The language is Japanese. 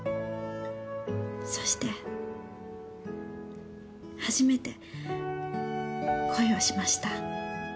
そして初めて恋をしました。